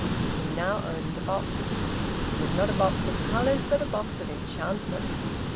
He now owned the box; it was not a box of colours, but a box of enchantment.